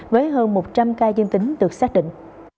với hơn một trăm linh ca dương tính được xác định